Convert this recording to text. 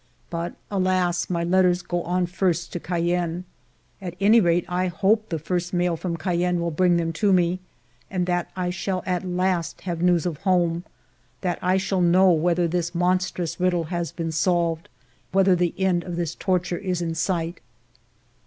But, alas ! my letters go on first to Cayenne. At any rate, I hope the first mail from Cayenne will bring them to me, and that I shall at last have ALFRED DREYFUS 187 news of home. That I shall know whether this monstrous riddle has been solved, whether the end of this torture is in sight.